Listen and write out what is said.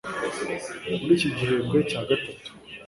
muri iki gihembwe cya gatatu